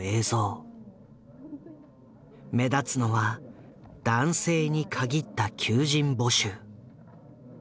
目立つのは「男性」に限った求人募集。